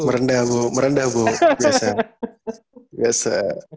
merendah bu merendah bu biasa